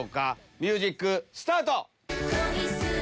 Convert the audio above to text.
ミュージックスタート！